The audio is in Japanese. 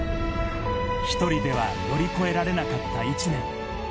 １人では乗り越えられなかった１年。